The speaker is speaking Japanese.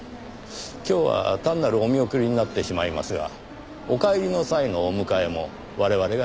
今日は単なるお見送りになってしまいますがお帰りの際のお迎えも我々が致しましょう。